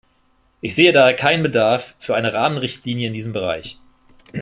Ich sehe daher keinen Bedarf für eine Rahmenrichtlinie in diesem Bereich.